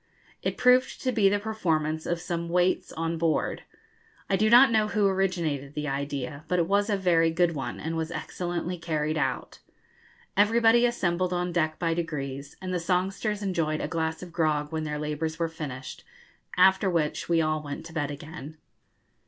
It proved to be the performance of some 'waits' on board. I do not know who originated the idea, but it was a very good one, and was excellently carried out. Everybody assembled on deck by degrees, and the songsters enjoyed a glass of grog when their labours were finished, after which we all went to bed again.